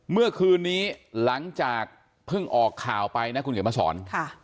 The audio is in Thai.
เมื่อคืนนี้หลังจากเพิ่งออกข่าวไปนะคุณเขียนมาสอน